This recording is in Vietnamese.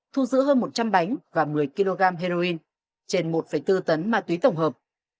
thu giữ hơn một trăm linh bánh và một mươi kg heroin trên một bốn tấn ma túy tổng hợp